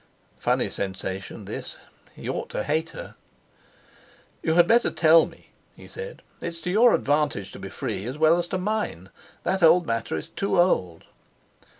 Funny sensation this! He ought to hate her. "You had better tell me," he said; "it's to your advantage to be free as well as to mine. That old matter is too old."